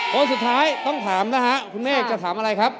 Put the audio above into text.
คนสุดท้ายต้องถามนะฮะคุณเมฆจะถามอะไรครับ